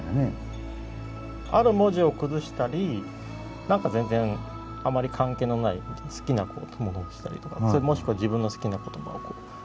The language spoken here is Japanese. ある文字を崩したり何か全然あまり関係のない好きなものにしたりとかもしくは自分の好きな言葉を崩したりとか。